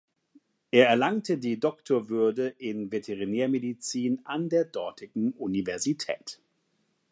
Er erlangte die Doktorwürde in Veterinärmedizin an der dortigen Universität.